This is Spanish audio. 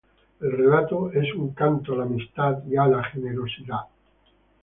El relato es un canto a la amistad y a la generosidad.